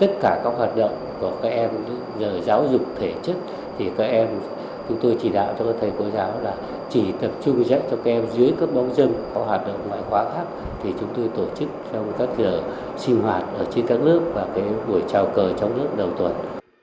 trường giáo dục thể chất thì các em chúng tôi chỉ đạo cho các thầy cô giáo là chỉ tập trung dẫn cho các em dưới các bóng dân có hoạt động ngoại quả khác thì chúng tôi tổ chức trong các giờ sinh hoạt ở trên các lớp và cái buổi trào cờ trong lớp đầu tuần